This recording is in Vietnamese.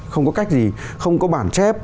không có cách gì không có bản chép